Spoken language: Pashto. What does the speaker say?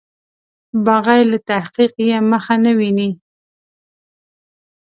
بغیر له تحقیق یې مخه نه ویني.